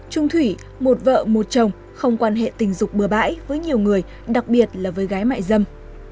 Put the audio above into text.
trung thủy một vợ một chồng không quan hệ tình dục bừa bãi với nhiều người đặc biệt là với gái mại dâm